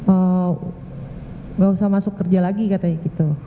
enggak usah masuk kerja lagi katanya gitu